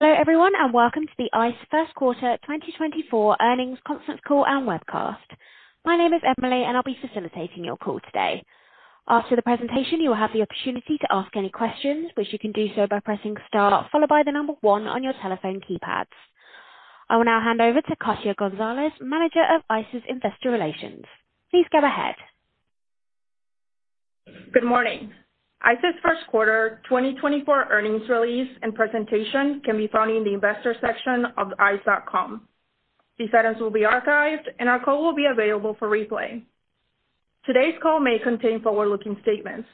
Hello, everyone, and welcome to the ICE first quarter 2024 earnings conference call and webcast. My name is Emily, and I'll be facilitating your call today. After the presentation, you will have the opportunity to ask any questions, which you can do so by pressing star followed by the number one on your telephone keypads. I will now hand over to Katia Gonzalez, Manager of ICE's investor relations. Please go ahead. Good morning. ICE's first quarter 2024 earnings release and presentation can be found in the investor section of ice.com. These items will be archived, and our call will be available for replay. Today's call may contain forward-looking statements.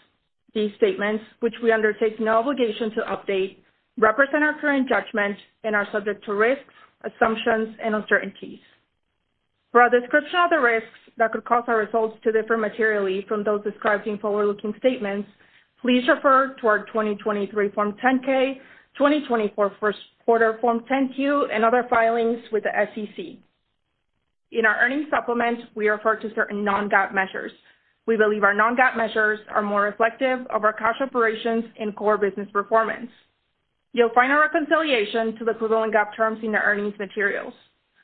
These statements, which we undertake no obligation to update, represent our current judgment and are subject to risks, assumptions, and uncertainties. For a description of the risks that could cause our results to differ materially from those described in forward-looking statements, please refer to our 2023 Form 10-K, 2024 first quarter Form 10-Q, and other filings with the SEC. In our earnings supplement, we refer to certain non-GAAP measures. We believe our non-GAAP measures are more reflective of our cash operations and core business performance. You'll find a reconciliation to the equivalent GAAP terms in the earnings materials.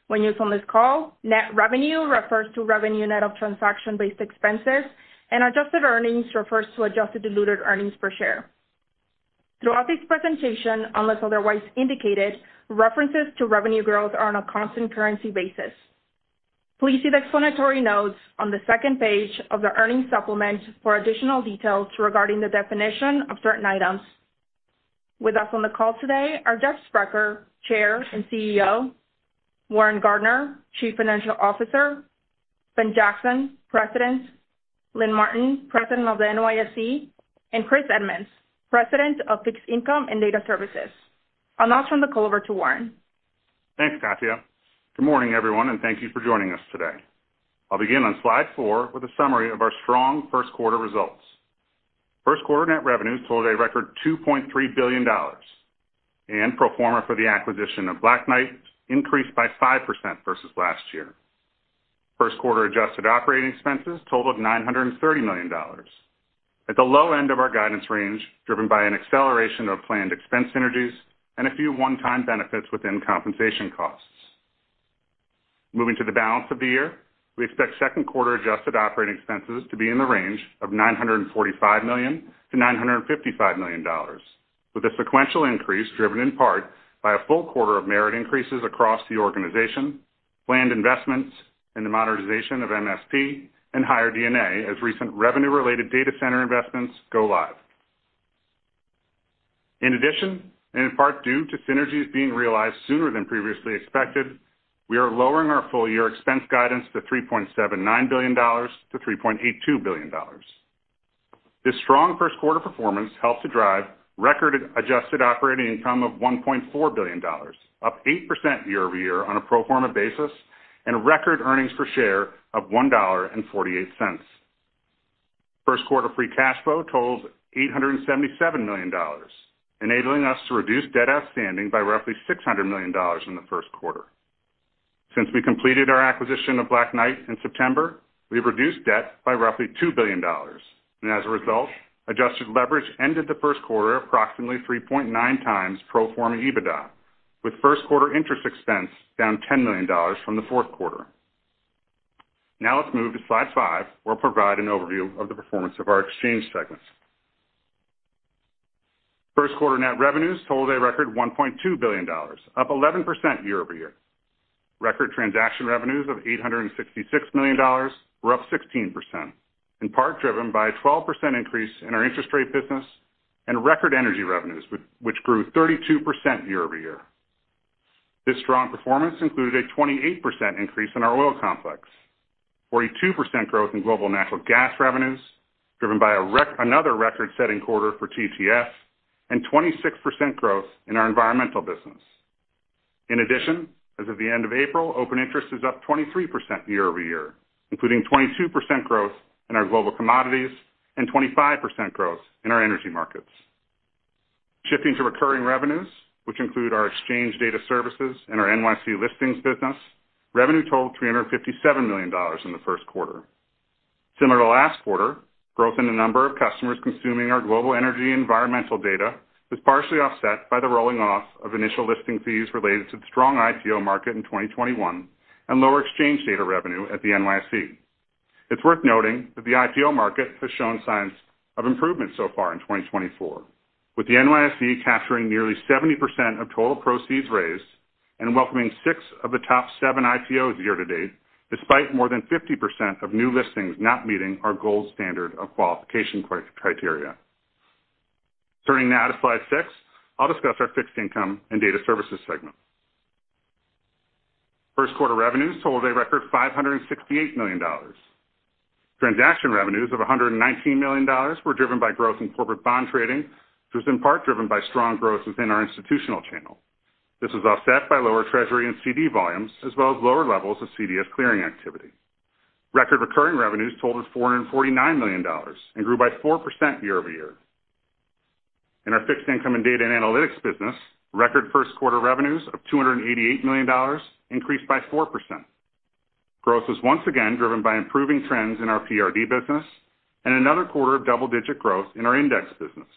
When used on this call, net revenue refers to revenue net of transaction-based expenses, and adjusted earnings refers to adjusted diluted earnings per share. Throughout this presentation, unless otherwise indicated, references to revenue growth are on a constant currency basis. Please see the explanatory notes on the second page of the earnings supplement for additional details regarding the definition of certain items. With us on the call today are Jeff Sprecher, Chair and CEO; Warren Gardiner, Chief Financial Officer; Ben Jackson, President; Lynn Martin, President of the NYSE; and Chris Edmonds, President of Fixed Income and Data Services. I'll now turn the call over to Warren. Thanks, Katia. Good morning, everyone, and thank you for joining us today. I'll begin on slide four with a summary of our strong first quarter results. First quarter net revenues totaled a record $2.3 billion, and pro forma for the acquisition of Black Knight increased by 5% versus last year. First quarter adjusted operating expenses totaled $930 million. At the low end of our guidance range, driven by an acceleration of planned expense synergies and a few one-time benefits within compensation costs. Moving to the balance of the year, we expect second quarter adjusted operating expenses to be in the range of $945 million-$955 million, with a sequential increase driven in part by a full quarter of merit increases across the organization, planned investments in the modernization of MSP, and higher DNA, as recent revenue-related data center investments go live. In addition, and in part due to synergies being realized sooner than previously expected, we are lowering our full-year expense guidance to $3.79 billion-$3.82 billion. This strong first quarter performance helped to drive record adjusted operating income of $1.4 billion, up 8% year-over-year on a pro forma basis, and record earnings per share of $1.48. First quarter free cash flow totaled $877 million, enabling us to reduce debt outstanding by roughly $600 million in the first quarter. Since we completed our acquisition of Black Knight in September, we've reduced debt by roughly $2 billion, and as a result, adjusted leverage ended the first quarter approximately 3.9 times pro forma EBITDA, with first quarter interest expense down $10 million from the fourth quarter. Now let's move to slide five. We'll provide an overview of the performance of our exchange segment. First quarter net revenues totaled a record $1.2 billion, up 11% year-over-year. Record transaction revenues of $866 million were up 16%, in part driven by a 12% increase in our interest rate business and record energy revenues, which grew 32% year-over-year. This strong performance included a 28% increase in our Oil Complex, 42% growth in global natural gas revenues, driven by another record-setting quarter for TTF, and 26% growth in our Environmental Business. In addition, as of the end of April, open interest is up 23% year-over-year, including 22% growth in our global commodities and 25% growth in our energy markets. Shifting to recurring revenues, which include our Exchange Data Services and our NYSE Listings Business, revenue totaled $357 million in the first quarter. Similar to last quarter, growth in the number of customers consuming our global energy environmental data was partially offset by the rolling off of initial listing fees related to the strong IPO market in 2021 and lower exchange data revenue at the NYSE. It's worth noting that the IPO market has shown signs of improvement so far in 2024, with the NYSE capturing nearly 70% of total proceeds raised and welcoming six of the top seven IPOs year to date, despite more than 50% of new listings not meeting our gold standard of qualification criteria. Turning now to slide 6, I'll discuss our fixed income and data services segment. First quarter revenues totaled a record $568 million. Transaction revenues of $119 million were driven by growth in corporate bond trading, which was in part driven by strong growth within our institutional channel. This was offset by lower Treasury and CD volumes, as well as lower levels of CDS clearing activity. Record recurring revenues totaled $449 million and grew by 4% year-over-year. In our Fixed Income Data and Analytics business, record first-quarter revenues of $288 million increased by 4%. Growth was once again driven by improving trends in our [PRD] business and another quarter of double-digit growth in our Index Business.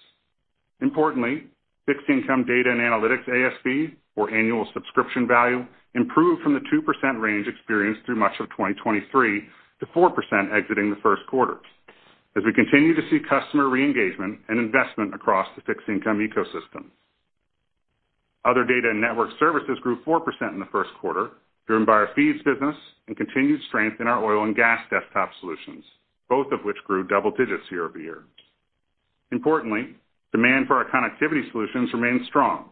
Importantly, Fixed Income Data and Analytics ASV, or annual subscription value, improved from the 2% range experienced through much of 2023 to 4% exiting the first quarter, as we continue to see customer reengagement and investment across the Fixed Income ecosystem. Other data and network services grew 4% in the first quarter, driven by our [fees] business and continued strength in our oil and gas desktop solutions, both of which grew double digits year-over-year. Importantly, demand for our connectivity solutions remains strong,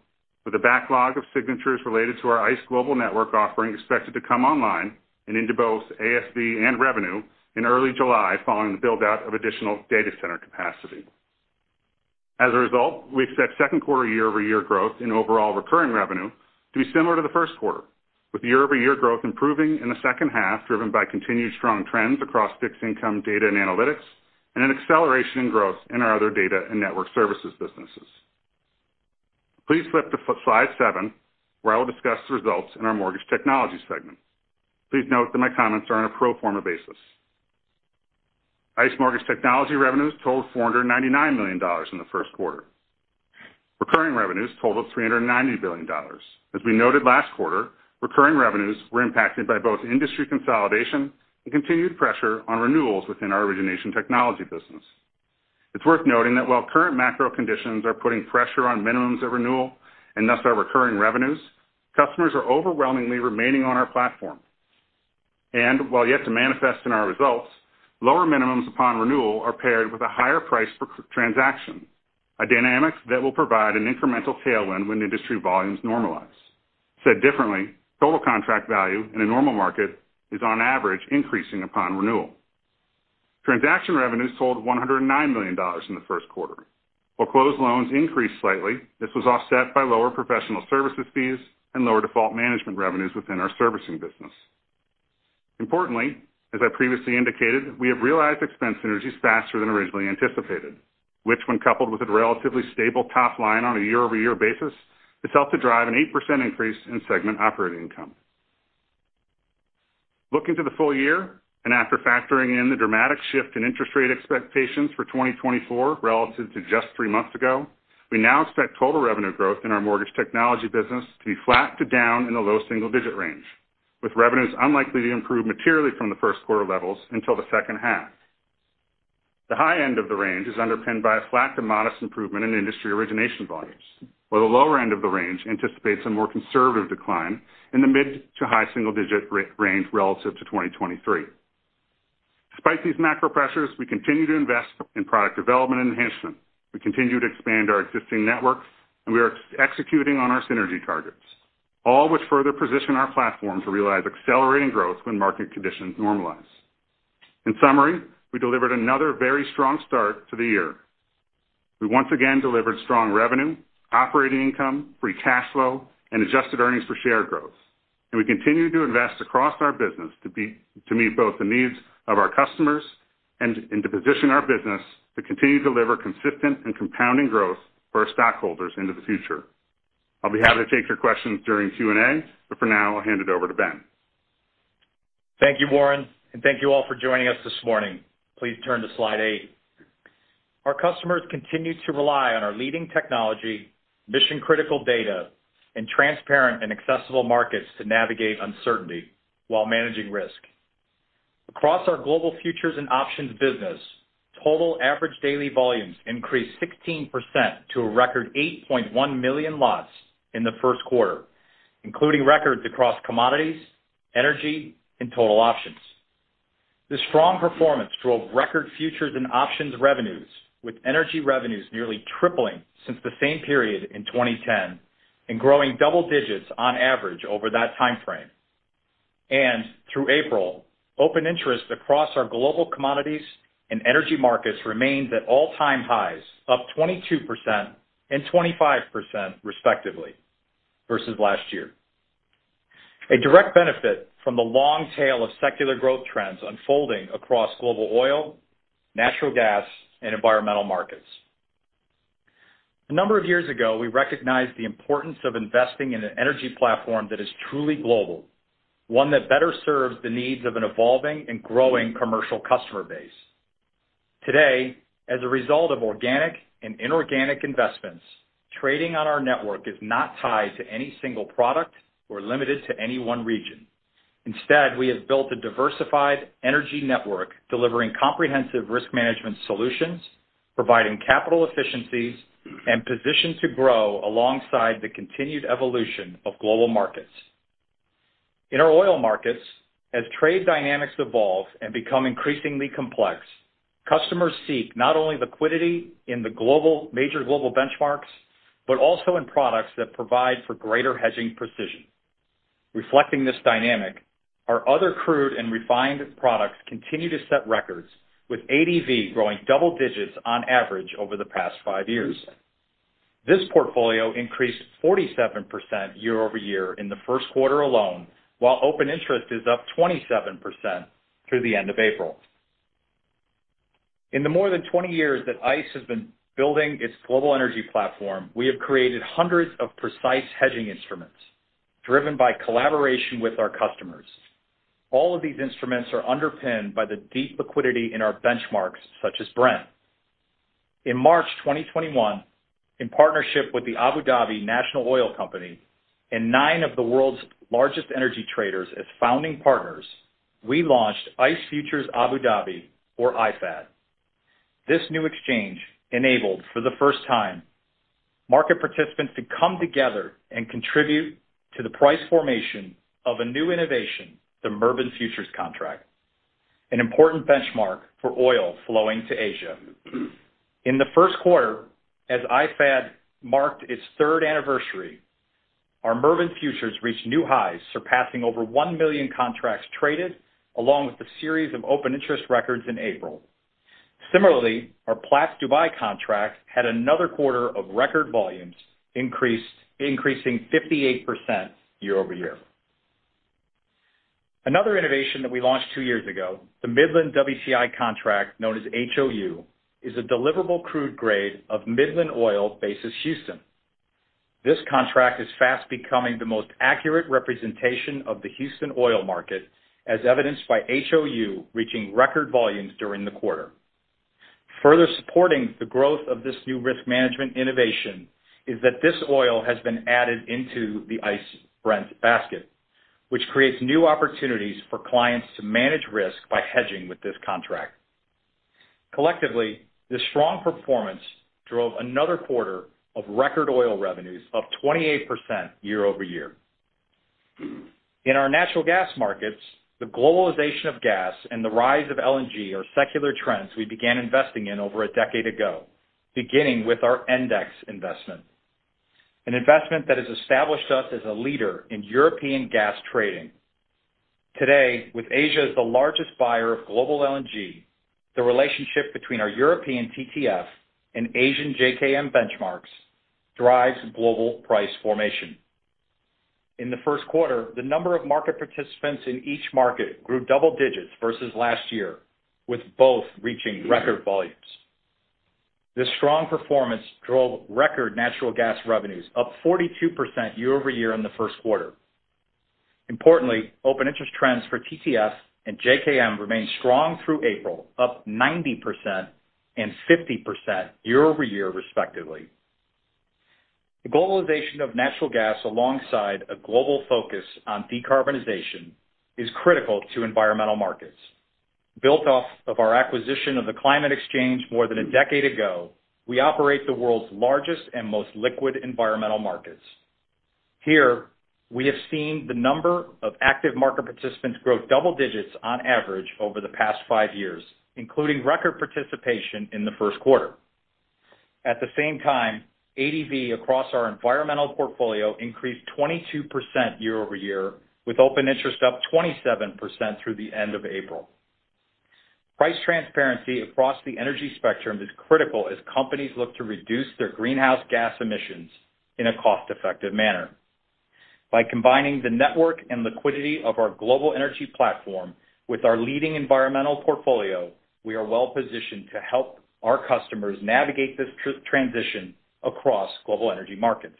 with a backlog of signatures related to our ICE Global Network offering expected to come online and into both ASV and revenue in early July, following the build-out of additional data center capacity. As a result, we expect second quarter year-over-year growth in overall recurring revenue to be similar to the first quarter, with year-over-year growth improving in the second half, driven by continued strong trends across Fixed Income Data and Analytics, and an acceleration in growth in our other data and network services businesses. Please flip to slide seven, where I will discuss the results in our Mortgage Technology segment. Please note that my comments are on a pro forma basis. ICE Mortgage Technology revenues totaled $499 million in the first quarter. Recurring revenues totaled $390 billion. As we noted last quarter, recurring revenues were impacted by both industry consolidation and continued pressure on renewals within our origination technology business. It's worth noting that while current macro conditions are putting pressure on minimums of renewal, and thus our recurring revenues, customers are overwhelmingly remaining on our platform. And while yet to manifest in our results, lower minimums upon renewal are paired with a higher price per credit transaction, a dynamic that will provide an incremental tailwind when industry volumes normalize. Said differently, total contract value in a normal market is, on average, increasing upon renewal. Transaction revenues totaled $109 million in the first quarter. While closed loans increased slightly, this was offset by lower professional services fees and lower default management revenues within our servicing business. Importantly, as I previously indicated, we have realized expense synergies faster than originally anticipated, which, when coupled with a relatively stable top line on a year-over-year basis, this helped to drive an 8% increase in segment operating income. Looking to the full year, and after factoring in the dramatic shift in interest rate expectations for 2024 relative to just three months ago, we now expect total revenue growth in our mortgage technology business to be flat to down in the low single digit range, with revenues unlikely to improve materially from the first quarter levels until the second half. The high end of the range is underpinned by a flat to modest improvement in industry origination volumes, while the lower end of the range anticipates a more conservative decline in the mid- to high-single-digit range relative to 2023. Despite these macro pressures, we continue to invest in product development and enhancement. We continue to expand our existing networks, and we are executing on our synergy targets, all which further position our platform to realize accelerating growth when market conditions normalize. In summary, we delivered another very strong start to the year. We once again delivered strong revenue, operating income, free cash flow, and adjusted earnings per share growth. And we continue to invest across our business to meet both the needs of our customers and to position our business to continue to deliver consistent and compounding growth for our stockholders into the future. I'll be happy to take your questions during Q&A, but for now, I'll hand it over to Ben. Thank you, Warren, and thank you all for joining us this morning. Please turn to slide 8. Our customers continue to rely on our leading technology, mission-critical data, and transparent and accessible markets to navigate uncertainty while managing risk. Across our global futures and options business, total average daily volumes increased 16% to a record 8.1 million lots in the first quarter, including records across commodities, energy, and total options. This strong performance drove record futures and options revenues, with energy revenues nearly tripling since the same period in 2010 and growing double digits on average over that time frame. Through April, open interest across our global commodities and energy markets remained at all-time highs, up 22% and 25% respectively versus last year. A direct benefit from the long tail of secular growth trends unfolding across global oil, natural gas, and environmental markets. A number of years ago, we recognized the importance of investing in an energy platform that is truly global, one that better serves the needs of an evolving and growing commercial customer base. Today, as a result of organic and inorganic investments, trading on our network is not tied to any single product or limited to any one region. Instead, we have built a diversified energy network, delivering comprehensive risk management solutions, providing capital efficiencies, and positioned to grow alongside the continued evolution of global markets. In our oil markets, as trade dynamics evolve and become increasingly complex, customers seek not only liquidity in the major global benchmarks, but also in products that provide for greater hedging precision. Reflecting this dynamic, our other crude and refined products continue to set records, with ADV growing double digits on average over the past five years. This portfolio increased 47% year-over-year in the first quarter alone, while open interest is up 27% through the end of April. In the more than 20 years that ICE has been building its global energy platform, we have created hundreds of precise hedging instruments, driven by collaboration with our customers. All of these instruments are underpinned by the deep liquidity in our benchmarks, such as Brent. In March 2021, in partnership with the Abu Dhabi National Oil Company and nine of the world's largest energy traders as founding partners, we launched ICE Futures Abu Dhabi, or IFAD. This new exchange enabled, for the first time, market participants to come together and contribute to the price formation of a new innovation, the Murban Futures Contract, an important benchmark for oil flowing to Asia. In the first quarter, as IFAD marked its third anniversary, our Murban Futures reached new highs, surpassing over 1 million contracts traded, along with a series of open interest records in April. Similarly, our Platts Dubai contract had another quarter of record volumes, increasing 58% year-over-year. Another innovation that we launched two years ago, the Midland WTI contract, known as HOU, is a deliverable crude grade of Midland Oil, basis Houston. This contract is fast becoming the most accurate representation of the Houston oil market, as evidenced by HOU reaching record volumes during the quarter. Further supporting the growth of this new risk management innovation is that this oil has been added into the ICE Brent basket, which creates new opportunities for clients to manage risk by hedging with this contract. Collectively, this strong performance drove another quarter of record oil revenues up 28% year-over-year. In our natural gas markets, the globalization of gas and the rise of LNG are secular trends we began investing in over a decade ago, beginning with our Endex investment, an investment that has established us as a leader in European gas trading. Today, with Asia as the largest buyer of global LNG, the relationship between our European TTF and Asian JKM benchmarks drives global price formation. In the first quarter, the number of market participants in each market grew double digits versus last year, with both reaching record volumes. This strong performance drove record natural gas revenues up 42% year-over-year in the first quarter. Importantly, open interest trends for TTF and JKM remained strong through April, up 90% and 50% year-over-year, respectively. The globalization of natural gas, alongside a global focus on decarbonization, is critical to environmental markets. Built off of our acquisition of the Climate Exchange more than a decade ago, we operate the world's largest and most liquid environmental markets. Here, we have seen the number of active market participants grow double digits on average over the past 5 years, including record participation in the first quarter. At the same time, ADV, across our environmental portfolio, increased 22% year-over-year, with open interest up 27% through the end of April. Price transparency across the energy spectrum is critical as companies look to reduce their greenhouse gas emissions in a cost-effective manner. By combining the network and liquidity of our global energy platform with our leading environmental portfolio, we are well positioned to help our customers navigate this transition across global energy markets.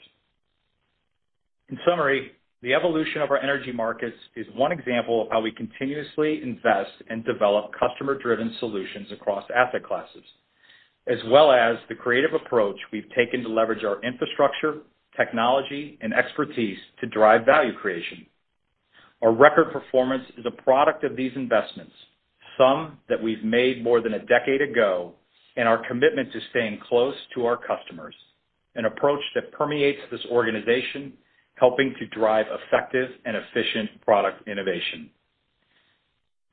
In summary, the evolution of our energy markets is one example of how we continuously invest and develop customer-driven solutions across asset classes, as well as the creative approach we've taken to leverage our infrastructure, technology, and expertise to drive value creation. Our record performance is a product of these investments, some that we've made more than a decade ago, and our commitment to staying close to our customers, an approach that permeates this organization, helping to drive effective and efficient product innovation.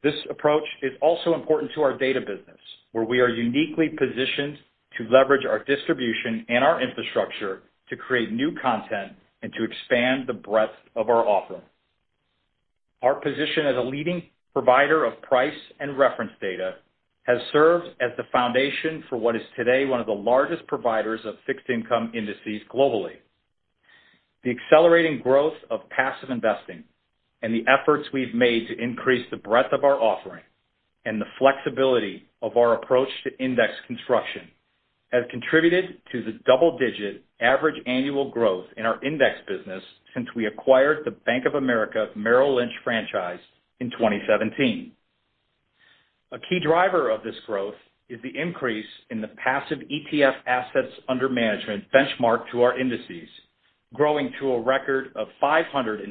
This approach is also important to our data business, where we are uniquely positioned to leverage our distribution and our infrastructure to create new content and to expand the breadth of our offering. Our position as a leading provider of price and reference data has served as the foundation for what is today one of the largest providers of fixed income indices globally. The accelerating growth of passive investing and the efforts we've made to increase the breadth of our offering and the flexibility of our approach to index construction, has contributed to the double-digit average annual growth in our index business since we acquired the Bank of America Merrill Lynch franchise in 2017. A key driver of this growth is the increase in the passive ETF assets under management benchmarked to our indices, growing to a record of $593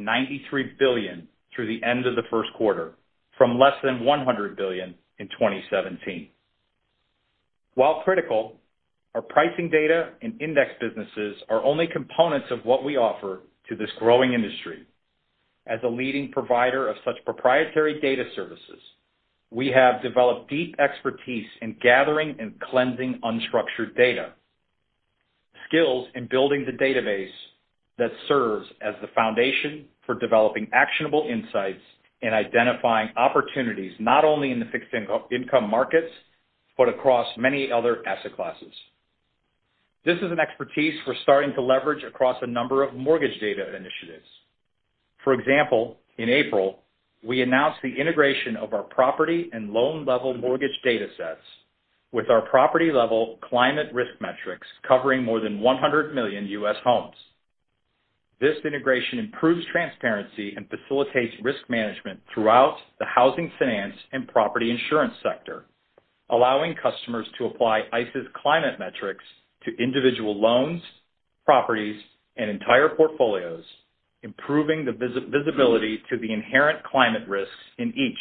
billion through the end of the first quarter, from less than $100 billion in 2017. While critical, our pricing data and index businesses are only components of what we offer to this growing industry. As a leading provider of such proprietary data services, we have developed deep expertise in gathering and cleansing unstructured data, skills in building the database that serves as the foundation for developing actionable insights and identifying opportunities, not only in the fixed income markets, but across many other asset classes. This is an expertise we're starting to leverage across a number of mortgage data initiatives. For example, in April, we announced the integration of our property and loan-level mortgage datasets with our property level climate risk metrics, covering more than 100 million U.S. homes. This integration improves transparency and facilitates risk management throughout the housing, finance, and property insurance sector, allowing customers to apply ICE's climate metrics to individual loans, properties, and entire portfolios, improving the visibility to the inherent climate risks in each.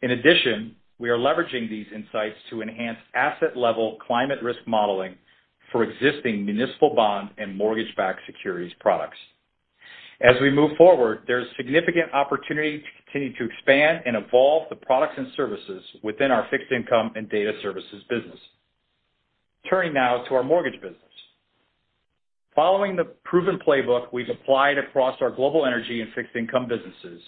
In addition, we are leveraging these insights to enhance asset-level climate risk modeling for existing municipal bond and mortgage-backed securities products. As we move forward, there's significant opportunity to continue to expand and evolve the products and services within our fixed income and data services business. Turning now to our mortgage business. Following the proven playbook we've applied across our global energy and fixed income businesses,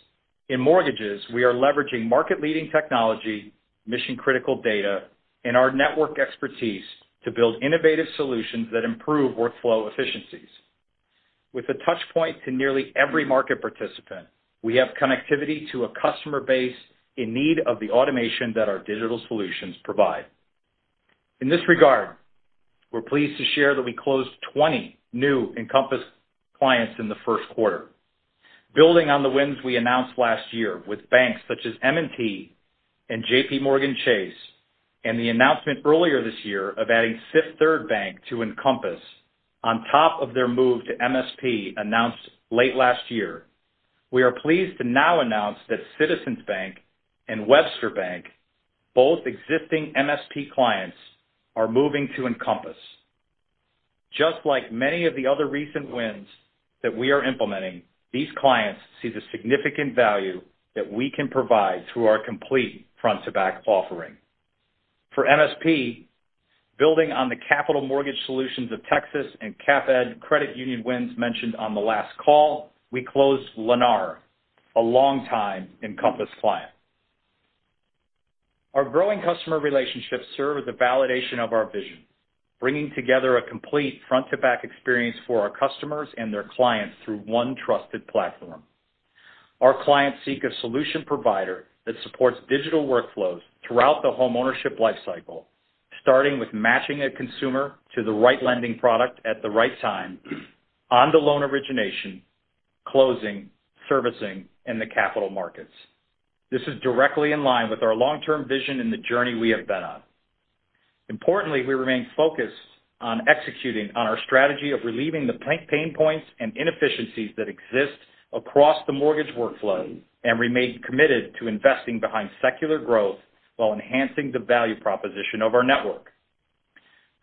in mortgages, we are leveraging market-leading technology, mission-critical data, and our network expertise to build innovative solutions that improve workflow efficiencies. With a touch point to nearly every market participant, we have connectivity to a customer base in need of the automation that our digital solutions provide. In this regard, we're pleased to share that we closed 20 new Encompass clients in the first quarter. Building on the wins we announced last year with banks such as M&T and JPMorgan Chase, and the announcement earlier this year of adding Fifth Third Bank to Encompass, on top of their move to MSP announced late last year, we are pleased to now announce that Citizens Bank and Webster Bank, both existing MSP clients, are moving to Encompass. Just like many of the other recent wins that we are implementing, these clients see the significant value that we can provide through our complete front-to-back offering. For MSP, building on the Capital Mortgage Solutions of Texas and CapEd Credit Union wins mentioned on the last call, we closed Lennar, a long-time Encompass client. Our growing customer relationships serve as a validation of our vision, bringing together a complete front-to-back experience for our customers and their clients through one trusted platform Our clients seek a solution provider that supports digital workflows throughout the homeownership life cycle, starting with matching a consumer to the right lending product at the right time, on the loan origination, closing, servicing, and the capital markets. This is directly in line with our long-term vision and the journey we have been on. Importantly, we remain focused on executing on our strategy of relieving the pain points and inefficiencies that exist across the mortgage workflow, and remain committed to investing behind secular growth while enhancing the value proposition of our network.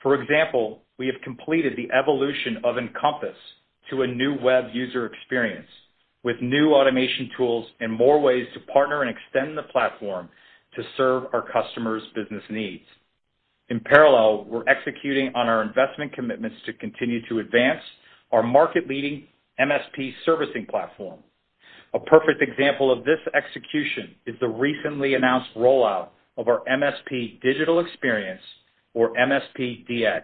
For example, we have completed the evolution of Encompass to a new web user experience, with new automation tools and more ways to partner and extend the platform to serve our customers' business needs. In parallel, we're executing on our investment commitments to continue to advance our market-leading MSP servicing platform. A perfect example of this execution is the recently announced rollout of our MSP Digital Experience, or MSP DX.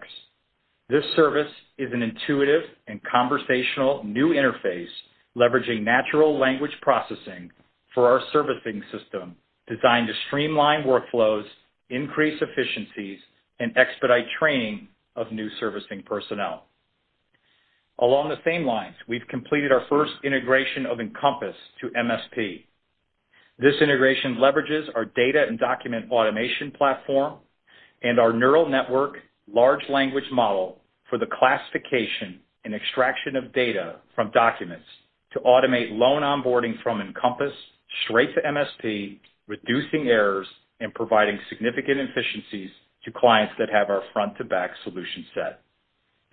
This service is an intuitive and conversational new interface leveraging natural language processing for our servicing system, designed to streamline workflows, increase efficiencies, and expedite training of new servicing personnel. Along the same lines, we've completed our first integration of Encompass to MSP. This integration leverages our data and document automation platform and our neural network large language model for the classification and extraction of data from documents to automate loan onboarding from Encompass straight to MSP, reducing errors and providing significant efficiencies to clients that have our front-to-back solution set.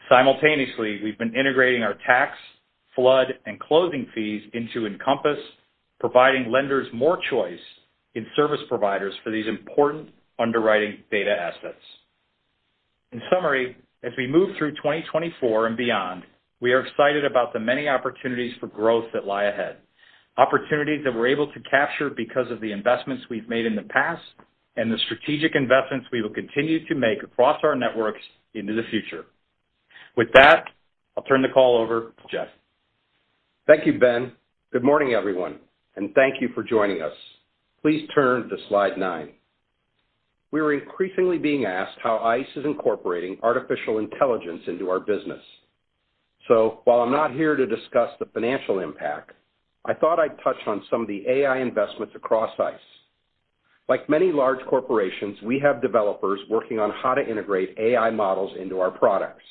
Simultaneously, we've been integrating our tax, flood, and closing fees into Encompass, providing lenders more choice in service providers for these important underwriting data assets. In summary, as we move through 2024 and beyond, we are excited about the many opportunities for growth that lie ahead, opportunities that we're able to capture because of the investments we've made in the past and the strategic investments we will continue to make across our networks into the future. With that, I'll turn the call over to Jeff. Thank you, Ben. Good morning, everyone, and thank you for joining us. Please turn to slide 9. We are increasingly being asked how ICE is incorporating artificial intelligence into our business. So while I'm not here to discuss the financial impact, I thought I'd touch on some of the AI investments across ICE. Like many large corporations, we have developers working on how to integrate AI models into our products,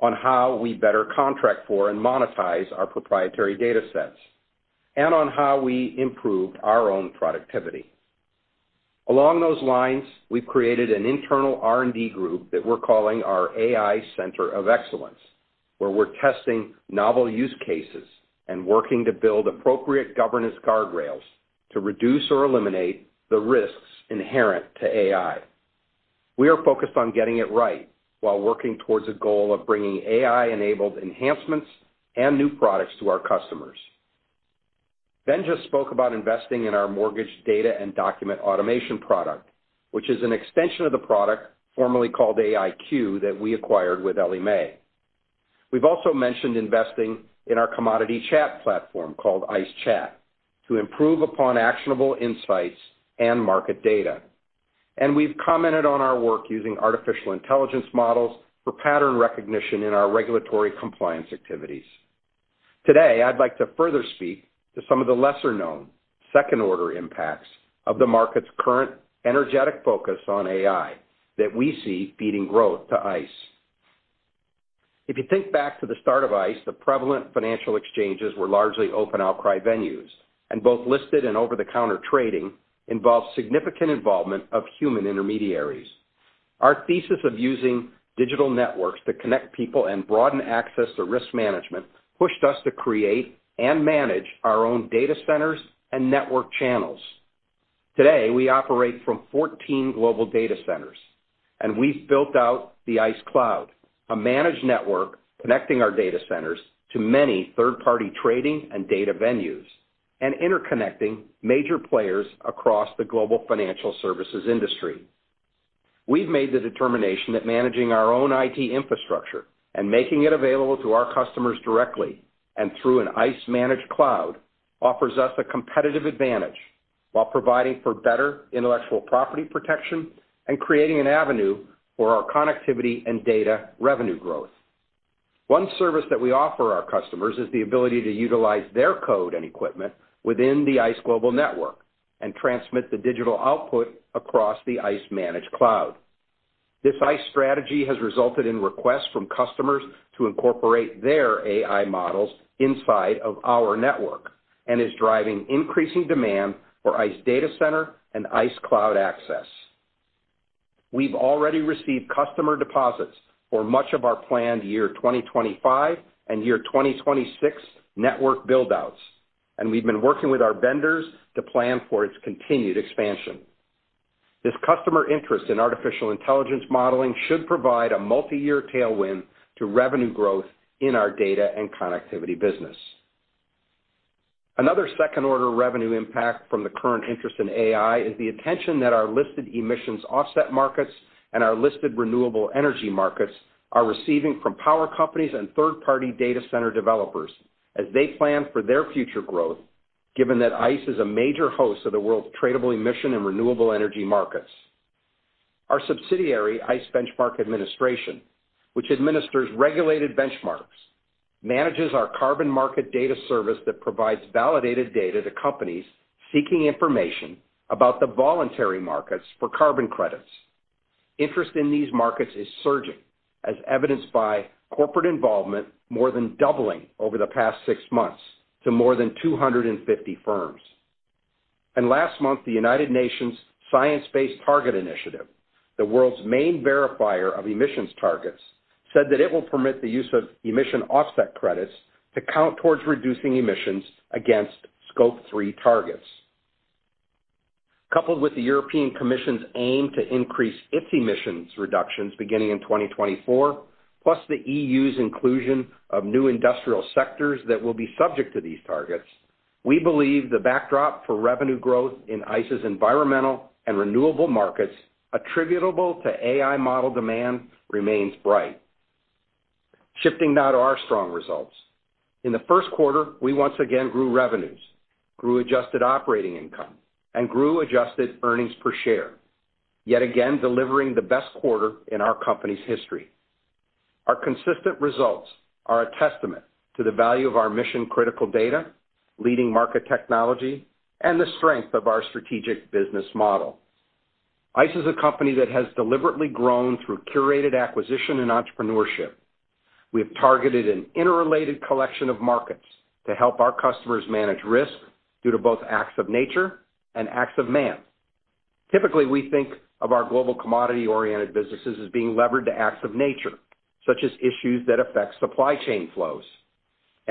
on how we better contract for and monetize our proprietary datasets, and on how we improved our own productivity. Along those lines, we've created an internal R&D group that we're calling our AI Center of Excellence, where we're testing novel use cases and working to build appropriate governance guardrails to reduce or eliminate the risks inherent to AI. We are focused on getting it right while working towards a goal of bringing AI-enabled enhancements and new products to our customers.... Ben just spoke about investing in our mortgage data and document automation product, which is an extension of the product formerly called AIQ, that we acquired with Ellie Mae. We've also mentioned investing in our commodity chat platform, called ICE Chat, to improve upon actionable insights and market data. We've commented on our work using artificial intelligence models for pattern recognition in our regulatory compliance activities. Today, I'd like to further speak to some of the lesser-known second order impacts of the market's current energetic focus on AI that we see feeding growth to ICE. If you think back to the start of ICE, the prevalent financial exchanges were largely open outcry venues, and both listed and over the counter trading involved significant involvement of human intermediaries. Our thesis of using digital networks to connect people and broaden access to risk management pushed us to create and manage our own data centers and network channels. Today, we operate from 14 global data centers, and we've built out the ICE Cloud, a managed network connecting our data centers to many third-party trading and data venues, and interconnecting major players across the global financial services industry. We've made the determination that managing our own IT infrastructure and making it available to our customers directly and through an ICE-managed cloud, offers us a competitive advantage, while providing for better intellectual property protection and creating an avenue for our connectivity and data revenue growth. One service that we offer our customers is the ability to utilize their code and equipment within the ICE Global Network and transmit the digital output across the ICE managed cloud. This ICE strategy has resulted in requests from customers to incorporate their AI models inside of our network and is driving increasing demand for ICE data center and ICE cloud access. We've already received customer deposits for much of our planned year 2025 and year 2026 network build-outs, and we've been working with our vendors to plan for its continued expansion. This customer interest in artificial intelligence modeling should provide a multiyear tailwind to revenue growth in our data and connectivity business. Another second-order revenue impact from the current interest in AI is the attention that our listed emissions offset markets and our listed renewable energy markets are receiving from power companies and third-party data center developers as they plan for their future growth, given that ICE is a major host of the world's tradable emission and renewable energy markets. Our subsidiary, ICE Benchmark Administration, which administers regulated benchmarks, manages our carbon market data service that provides validated data to companies seeking information about the voluntary markets for carbon credits. Interest in these markets is surging, as evidenced by corporate involvement more than doubling over the past six months to more than 250 firms. And last month, United Nations Science Based Targets initiative, the world's main verifier of emissions targets, said that it will permit the use of emission offset credits to count towards reducing emissions against Scope 3 targets. Coupled with the European Commission's aim to increase its emissions reductions beginning in 2024, plus the EU's inclusion of new industrial sectors that will be subject to these targets, we believe the backdrop for revenue growth in ICE's environmental and renewable markets attributable to AI model demand remains bright. Shifting now to our strong results. In the first quarter, we once again grew revenues, grew adjusted operating income, and grew adjusted earnings per share, yet again delivering the best quarter in our company's history. Our consistent results are a testament to the value of our mission-critical data, leading market technology, and the strength of our strategic business model. ICE is a company that has deliberately grown through curated acquisition and entrepreneurship. We have targeted an interrelated collection of markets to help our customers manage risk due to both acts of nature and acts of man. Typically, we think of our global commodity-oriented businesses as being levered to acts of nature, such as issues that affect supply chain flows.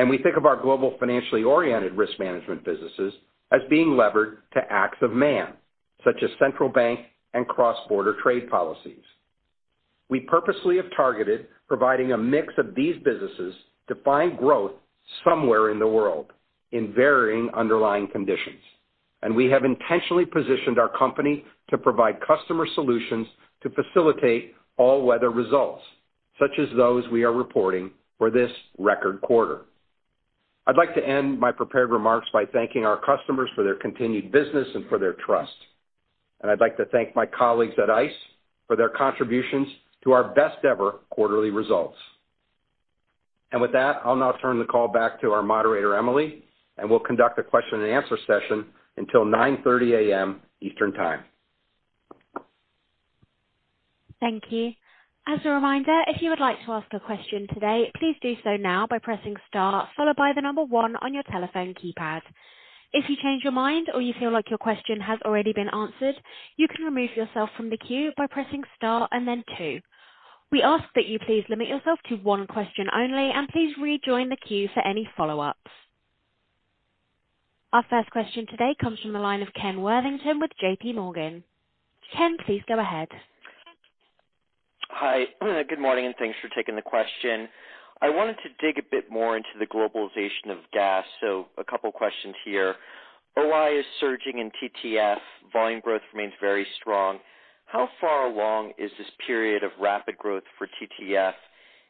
We think of our global, financially oriented risk management businesses as being levered to acts of man, such as central bank and cross-border trade policies. We purposely have targeted providing a mix of these businesses to find growth somewhere in the world in varying underlying conditions. We have intentionally positioned our company to provide customer solutions to facilitate all-weather results, such as those we are reporting for this record quarter. I'd like to end my prepared remarks by thanking our customers for their continued business and for their trust. I'd like to thank my colleagues at ICE for their contributions to our best-ever quarterly results. With that, I'll now turn the call back to our moderator, Emily, and we'll conduct a question and answer session until 9:30 A.M. Eastern Time. Thank you. As a reminder, if you would like to ask a question today, please do so now by pressing star, followed by the number one on your telephone keypad. If you change your mind or you feel like your question has already been answered, you can remove yourself from the queue by pressing star and then two. We ask that you please limit yourself to one question only, and please rejoin the queue for any follow up. Our first question today comes from the line of Ken Worthington with JPMorgan. Ken, please go ahead. Hi, good morning, and thanks for taking the question. I wanted to dig a bit more into the globalization of gas. So a couple questions here. OI is surging in TTF, volume growth remains very strong. How far along is this period of rapid growth for TTF,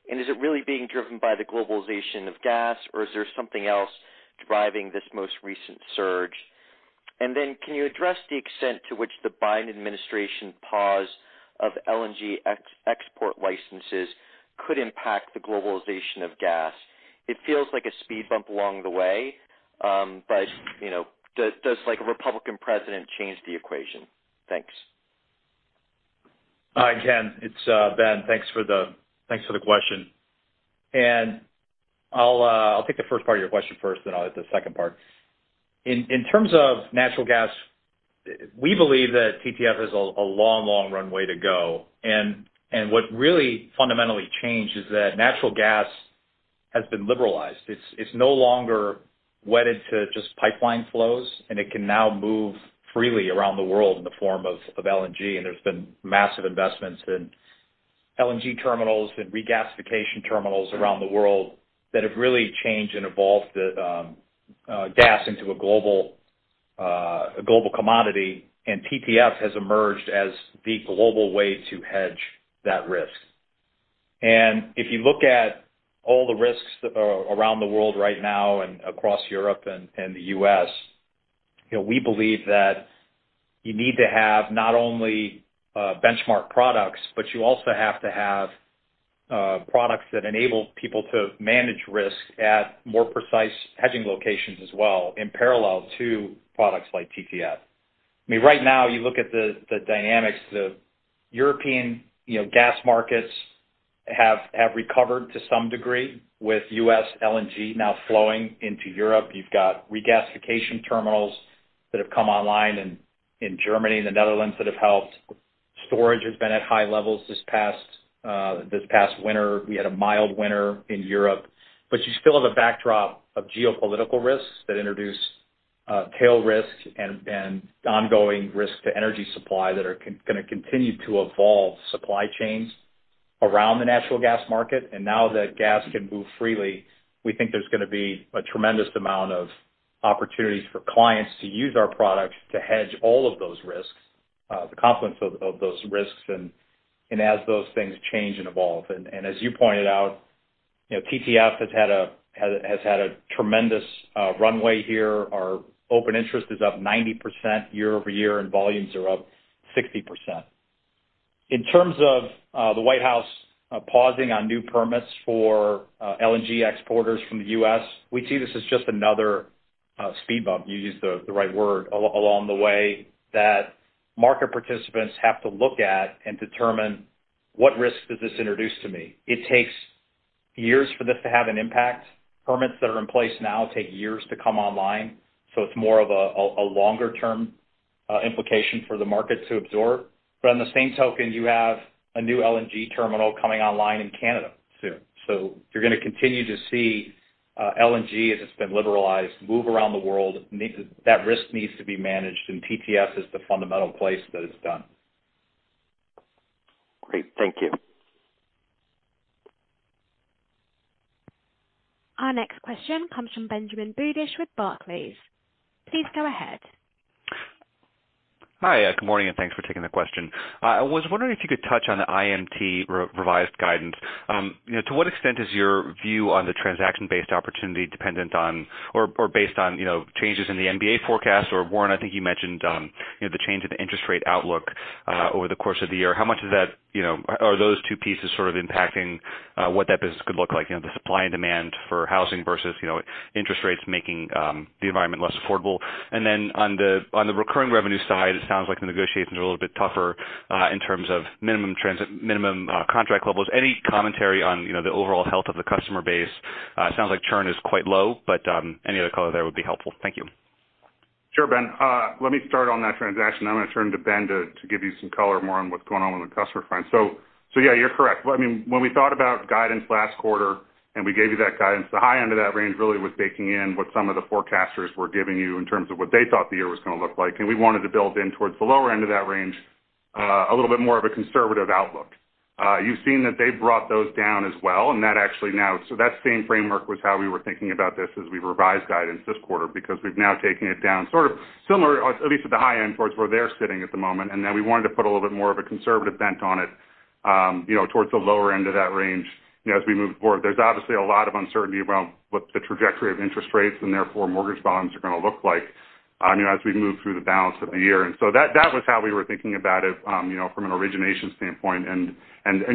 and is it really being driven by the globalization of gas, or is there something else driving this most recent surge? And then can you address the extent to which the Biden administration pause of LNG export licenses could impact the globalization of gas? It feels like a speed bump along the way, but, you know, does like a Republican president change the equation? Thanks. Hi, Ken, it's Ben. Thanks for the, thanks for the question, and I'll take the first part of your question first, then I'll hit the second part. In terms of natural gas, we believe that TTF has a long, long runway to go. And what really fundamentally changed is that natural gas has been liberalized. It's no longer wedded to just pipeline flows, and it can now move freely around the world in the form of LNG. And there's been massive investments in LNG terminals and regasification terminals around the world that have really changed and evolved the gas into a global commodity, and TTF has emerged as the global way to hedge that risk. If you look at all the risks that are around the world right now and across Europe and the U.S., you know, we believe that you need to have not only benchmark products, but you also have to have products that enable people to manage risk at more precise hedging locations as well, in parallel to products like TTF. I mean, right now, you look at the dynamics, the European gas markets have recovered to some degree with U.S. LNG now flowing into Europe. You've got regasification terminals that have come online in Germany and the Netherlands that have helped. Storage has been at high levels this past winter. We had a mild winter in Europe. But you still have a backdrop of geopolitical risks that introduce tail risk and ongoing risk to energy supply that are gonna continue to evolve supply chains around the natural gas market. And now that gas can move freely, we think there's gonna be a tremendous amount of opportunities for clients to use our products to hedge all of those risks, the confluence of those risks, and as those things change and evolve. And as you pointed out, you know, TTF has had a tremendous runway here. Our open interest is up 90% year-over-year, and volumes are up 60%. In terms of the White House pausing on new permits for LNG exporters from the U.S., we see this as just another speed bump. You used the right word, along the way, that market participants have to look at and determine what risks does this introduce to me? It takes years for this to have an impact. Permits that are in place now take years to come online, so it's more of a longer term implication for the market to absorb. But on the same token, you have a new LNG terminal coming online in Canada soon. So you're gonna continue to see LNG, as it's been liberalized, move around the world. That risk needs to be managed, and TTF is the fundamental place that it's done. Great. Thank you. Our next question comes from Benjamin Budish with Barclays. Please go ahead. Hi, good morning, and thanks for taking the question. I was wondering if you could touch on the IMT revised guidance. You know, to what extent is your view on the transaction-based opportunity dependent on or based on, you know, changes in the MBA forecast? Or Warren, I think you mentioned, you know, the change in the interest rate outlook over the course of the year. How much is that, you know, are those two pieces sort of impacting what that business could look like? You know, the supply and demand for housing versus, you know, interest rates making the environment less affordable. And then on the recurring revenue side, it sounds like the negotiations are a little bit tougher in terms of minimum contract levels. Any commentary on, you know, the overall health of the customer base? It sounds like churn is quite low, but, any other color there would be helpful. Thank you. Sure, Ben. Let me start on that transaction, and then I'm gonna turn to Ben to give you some color more on what's going on on the customer front. So, yeah, you're correct. I mean, when we thought about guidance last quarter, and we gave you that guidance, the high end of that range really was baking in what some of the forecasters were giving you in terms of what they thought the year was gonna look like. And we wanted to build in towards the lower end of that range, a little bit more of a conservative outlook. You've seen that they've brought those down as well, and that actually now. So that same framework was how we were thinking about this as we revised guidance this quarter, because we've now taken it down, sort of similar, or at least at the high end, towards where they're sitting at the moment. And then we wanted to put a little bit more of a conservative bent on it, you know, towards the lower end of that range, you know, as we move forward. There's obviously a lot of uncertainty around what the trajectory of interest rates and therefore mortgage bonds are gonna look like, you know, as we move through the balance of the year. And so that, that was how we were thinking about it, you know, from an origination standpoint and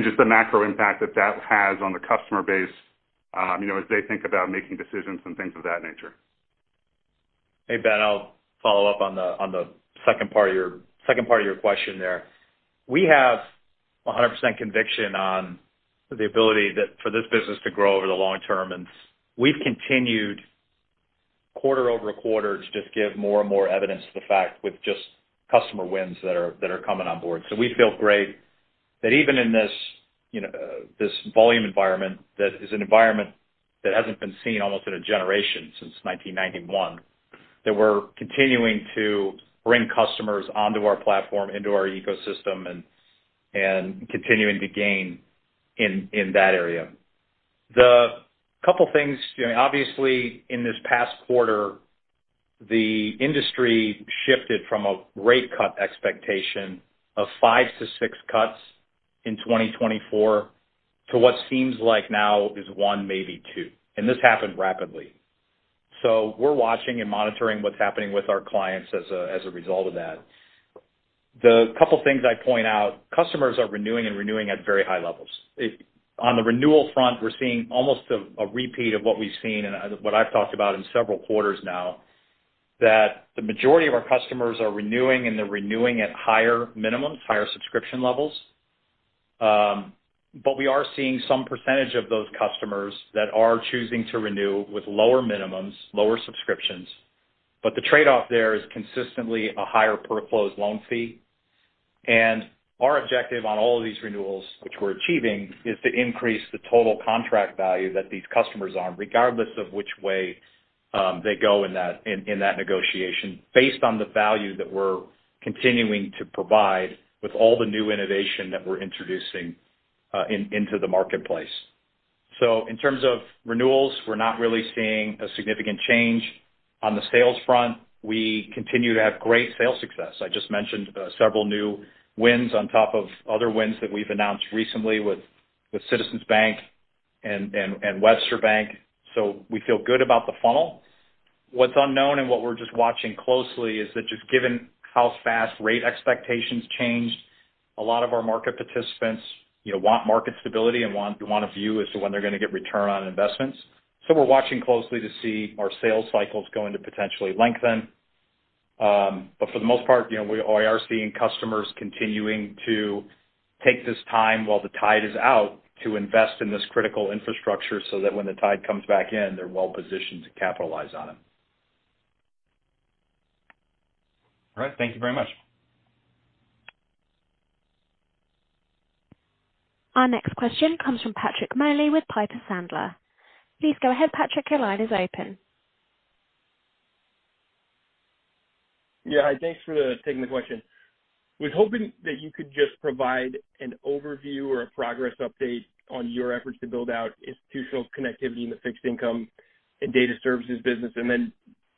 just the macro impact that that has on the customer base, you know, as they think about making decisions and things of that nature. Hey, Ben, I'll follow up on the second part of your question there. We have 100% conviction on the ability for this business to grow over the long term, and we've continued quarter-over-quarter to just give more and more evidence to the fact with just customer wins that are coming on board. So we feel great that even in this, you know, this volume environment, that is an environment that hasn't been seen almost in a generation since 1991 They we're continuing to bring customers onto our platform, into our ecosystem, and, and continuing to gain in, in that area. The couple things, you know, obviously, in this past quarter, the industry shifted from a rate cut expectation of 5-6 cuts in 2024 to what seems like now is one, maybe two, and this happened rapidly. So we're watching and monitoring what's happening with our clients as a, as a result of that. The couple things I'd point out, customers are renewing and renewing at very high levels. On the renewal front, we're seeing almost a, a repeat of what we've seen and what I've talked about in several quarters now, that the majority of our customers are renewing, and they're renewing at higher minimums, higher subscription levels. But we are seeing some percentage of those customers that are choosing to renew with lower minimums, lower subscriptions. But the trade-off there is consistently a higher per closed loan fee. And our objective on all of these renewals, which we're achieving, is to increase the total contract value that these customers are on, regardless of which way they go in that negotiation, based on the value that we're continuing to provide with all the new innovation that we're introducing into the marketplace. So in terms of renewals, we're not really seeing a significant change. On the sales front, we continue to have great sales success. I just mentioned several new wins on top of other wins that we've announced recently with Citizens Bank and Webster Bank. So we feel good about the funnel. What's unknown and what we're just watching closely is that just given how fast rate expectations changed, a lot of our market participants, you know, want market stability and want, want a view as to when they're going to get return on investments. So we're watching closely to see are sales cycles going to potentially lengthen? But for the most part, you know, we are seeing customers continuing to take this time while the tide is out, to invest in this critical infrastructure so that when the tide comes back in, they're well positioned to capitalize on it. All right. Thank you very much. Our next question comes from Patrick Moley with Piper Sandler. Please go ahead, Patrick. Your line is open. Yeah, hi. Thanks for taking the question. Was hoping that you could just provide an overview or a progress update on your efforts to build out institutional connectivity in the fixed income and data services business. And then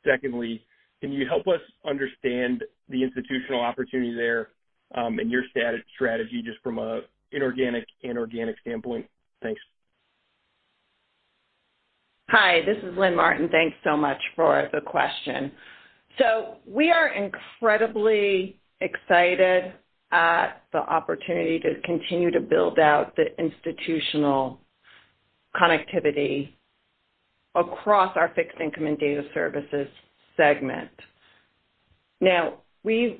secondly, can you help us understand the institutional opportunity there, and your strategy just from a inorganic and organic standpoint? Thanks. Hi, this is Lynn Martin. Thanks so much for the question. So we are incredibly excited at the opportunity to continue to build out the institutional connectivity across our fixed income and data services segment. Now, we've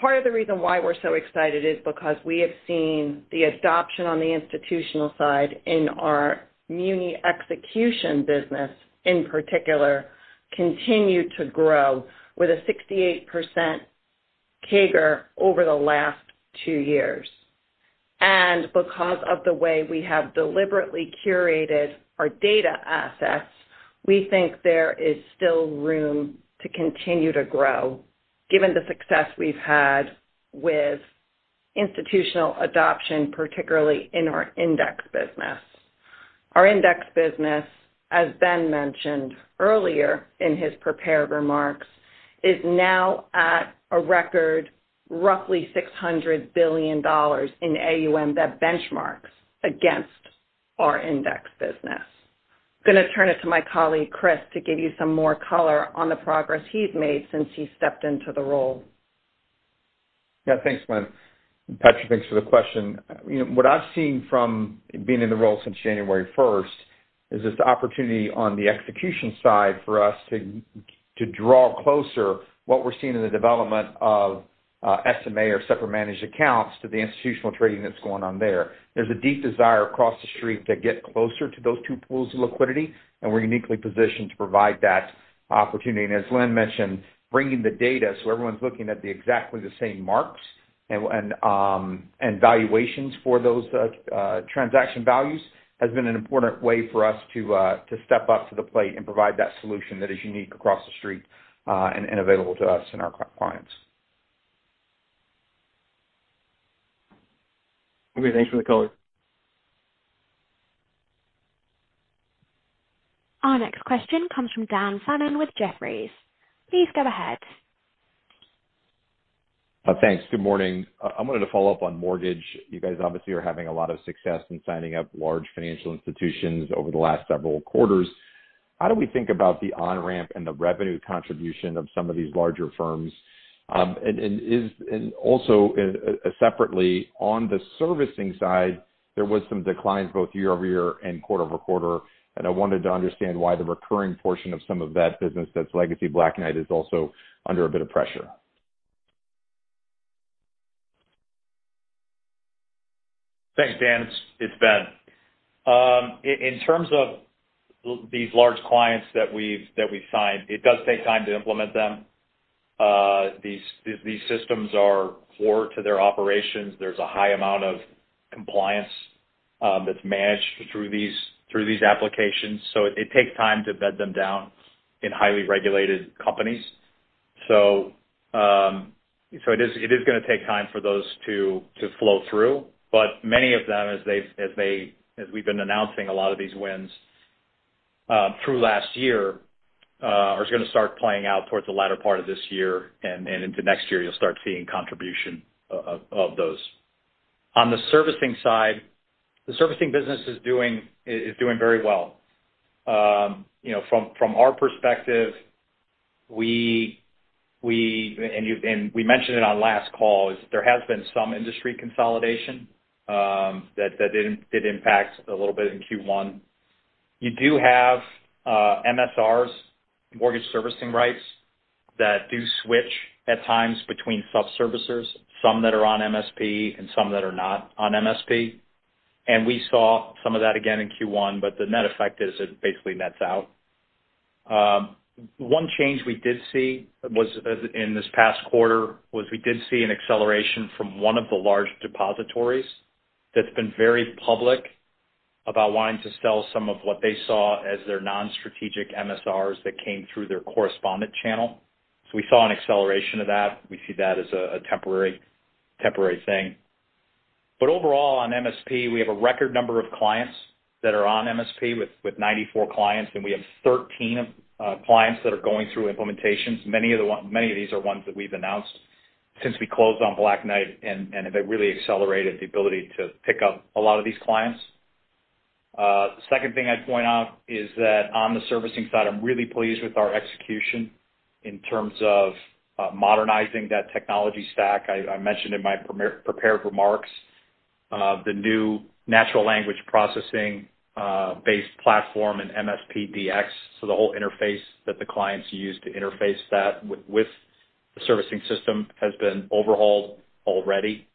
part of the reason why we're so excited is because we have seen the adoption on the institutional side in our muni execution business, in particular, continue to grow with a 68% CAGR over the last 2 years. And because of the way we have deliberately curated our data assets, we think there is still room to continue to grow, given the success we've had with institutional adoption, particularly in our index business. Our index business, as Ben mentioned earlier in his prepared remarks, is now at a record roughly $600 billion in AUM, that benchmarks against our index business. Going to turn it to my colleague, Chris, to give you some more color on the progress he's made since he stepped into the role. Yeah, thanks, Lynn. Patrick, thanks for the question. You know, what I've seen from being in the role since January first, is this opportunity on the execution side for us to draw closer what we're seeing in the development of SMA or separate managed accounts to the institutional trading that's going on there. There's a deep desire across the street to get closer to those two pools of liquidity, and we're uniquely positioned to provide that opportunity. And as Lynn mentioned, bringing the data so everyone's looking at exactly the same marks and valuations for those transaction values, has been an important way for us to step up to the plate and provide that solution that is unique across the street, and available to us and our clients. Okay, thanks for the color. Our next question comes from Dan Fannon with Jefferies. Please go ahead. Thanks. Good morning. I wanted to follow up on mortgage. You guys obviously are having a lot of success in signing up large financial institutions over the last several quarters. How do we think about the on-ramp and the revenue contribution of some of these larger firms? And also, separately, on the servicing side, there was some declines both year-over-year and quarter-over-quarter, and I wanted to understand why the recurring portion of some of that business that's legacy Black Knight is also under a bit of pressure. Thanks, Dan. It's Ben. In terms of these large clients that we've signed, it does take time to implement them. These systems are core to their operations. There's a high amount of compliance that's managed through these applications, so it takes time to bed them down in highly regulated companies. So it is gonna take time for those to flow through, but many of them, as we've been announcing a lot of these wins through last year, are gonna start playing out towards the latter part of this year, and into next year, you'll start seeing contribution of those. On the servicing side, the servicing business is doing very well. You know, from our perspective, we mentioned it on last call. There has been some industry consolidation that did impact a little bit in Q1. You do have MSRs, mortgage servicing rights, that do switch at times between sub-servicers, some that are on MSP and some that are not on MSP. And we saw some of that again in Q1, but the net effect is it basically nets out. One change we did see was in this past quarter, we did see an acceleration from one of the large depositories that's been very public about wanting to sell some of what they saw as their non-strategic MSRs that came through their correspondent channel. So we saw an acceleration of that. We see that as a temporary thing. But overall, on MSP, we have a record number of clients that are on MSP, with 94 clients, and we have 13 clients that are going through implementations. Many of these are ones that we've announced since we closed on Black Knight, and it really accelerated the ability to pick up a lot of these clients. The second thing I'd point out is that on the servicing side, I'm really pleased with our execution in terms of modernizing that technology stack. I mentioned in my prepared remarks the new natural language processing based platform in MSP DX. So the whole interface that the clients use to interface with the servicing system has been overhauled already.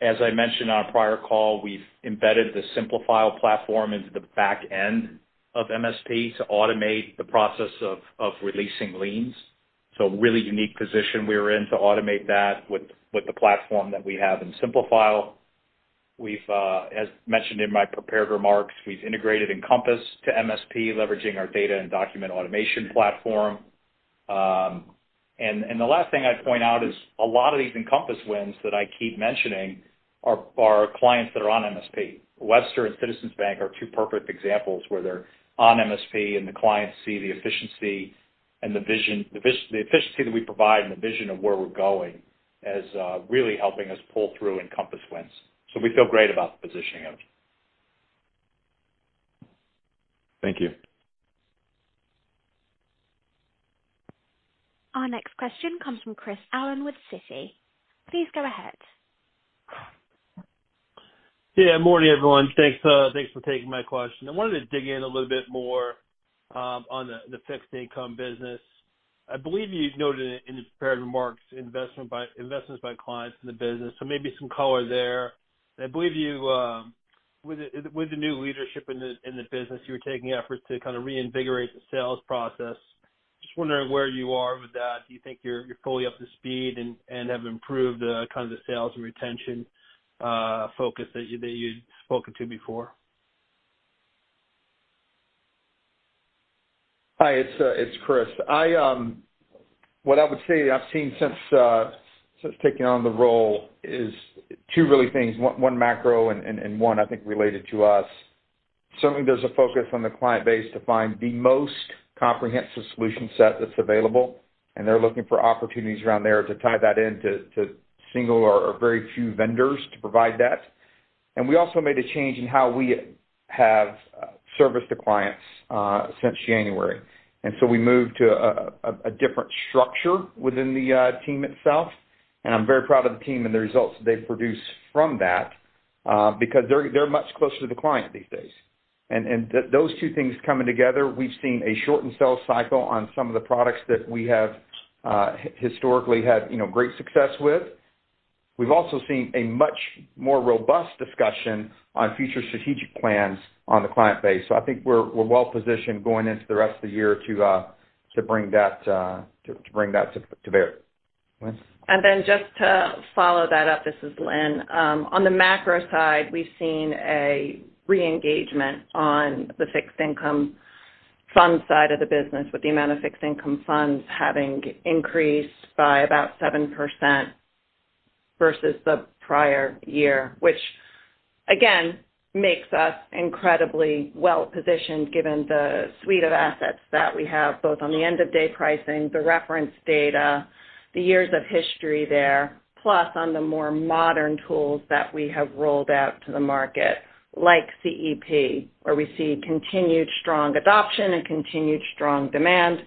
As I mentioned on a prior call, we've embedded the Simplifile platform into the back end of MSP to automate the process of releasing liens. So a really unique position we're in to automate that with the platform that we have in Simplifile. We've, as mentioned in my prepared remarks, we've integrated Encompass to MSP, leveraging our data and document automation platform. And the last thing I'd point out is a lot of these Encompass wins that I keep mentioning are clients that are on MSP. Wintrust and Citizens Bank are two perfect examples where they're on MSP, and the clients see the efficiency and the vision, the efficiency that we provide and the vision of where we're going, as really helping us pull through Encompass wins. So we feel great about the positioning of it. Thank you. Our next question comes from Chris Allen with Citi. Please go ahead. Yeah, good morning, everyone. Thanks, thanks for taking my question. I wanted to dig in a little bit more, on the, the fixed income business. I believe you noted in the prepared remarks, investments by clients in the business, so maybe some color there. I believe you, with the, with the new leadership in the, in the business, you were taking efforts to kind of reinvigorate the sales process. Just wondering where you are with that. Do you think you're, you're fully up to speed and, and have improved, kind of the sales and retention, focus that you, that you'd spoken to before? Hi, it's Chris. What I would say I've seen since taking on the role is two really things. One macro and one I think related to us. Certainly there's a focus on the client base to find the most comprehensive solution set that's available, and they're looking for opportunities around there to tie that into single or very few vendors to provide that. And we also made a change in how we have serviced the clients since January. And so we moved to a different structure within the team itself, and I'm very proud of the team and the results they've produced from that because they're much closer to the client these days. Those two things coming together, we've seen a shortened sales cycle on some of the products that we have historically had, you know, great success with. We've also seen a much more robust discussion on future strategic plans on the client base. So I think we're well positioned going into the rest of the year to bring that to bear. Lynn? Then just to follow that up, this is Lynn. On the macro side, we've seen a reengagement on the fixed income fund side of the business, with the amount of fixed income funds having increased by about 7% versus the prior year, which again, makes us incredibly well positioned, given the suite of assets that we have, both on the end-of-day pricing, the reference data, the years of history there, plus on the more modern tools that we have rolled out to the market, like CEP, where we see continued strong adoption and continued strong demand,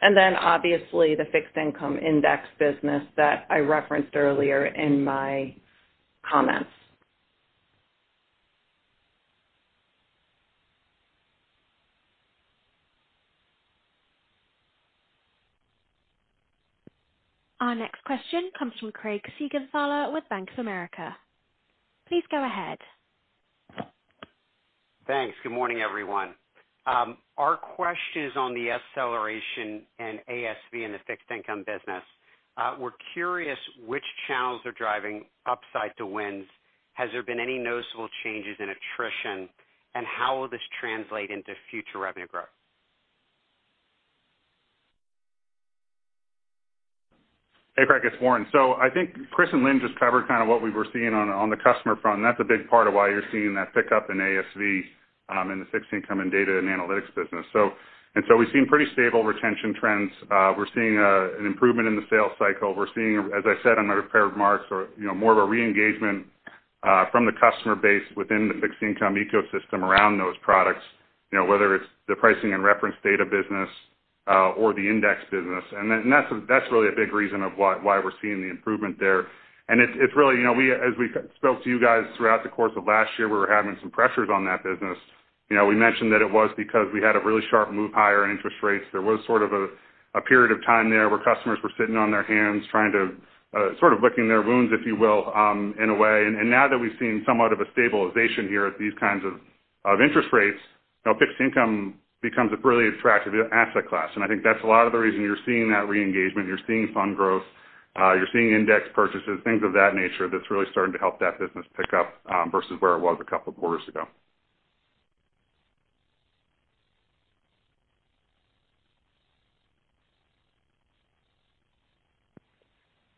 and then obviously the fixed income index business that I referenced earlier in my comments. Our next question comes from Craig Siegenthaler with Bank of America. Please go ahead. Thanks. Good morning, everyone. Our question is on the acceleration and ASV in the fixed income business. We're curious which channels are driving upside to wins. Has there been any noticeable changes in attrition, and how will this translate into future revenue growth? Hey, Craig, it's Warren. So I think Chris and Lynn just covered kind of what we were seeing on, on the customer front, and that's a big part of why you're seeing that pickup in ASV, in the fixed income and data and analytics business. So and so we've seen pretty stable retention trends. We're seeing an improvement in the sales cycle. We're seeing, as I said in my prepared remarks, or, you know, more of a reengagement, from the customer base within the fixed income ecosystem around those products, you know, whether it's the pricing and reference data business, or the index business. And then, and that's, that's really a big reason of why, why we're seeing the improvement there. And it's really, you know, we, as we spoke to you guys throughout the course of last year, we were having some pressures on that business. You know, we mentioned that it was because we had a really sharp move higher in interest rates. There was sort of a period of time there where customers were sitting on their hands, trying to sort of licking their wounds, if you will, in a way. And now that we've seen somewhat of a stabilization here at these kinds of interest rates, you know, fixed income becomes a really attractive asset class. I think that's a lot of the reason you're seeing that reengagement, you're seeing fund growth, you're seeing index purchases, things of that nature. That's really starting to help that business pick up versus where it was a couple of quarters ago.